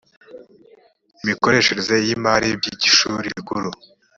imikoreshereze y imari by ishuri rikuru